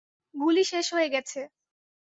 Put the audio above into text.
গুলি শেষ হয়ে গেছে।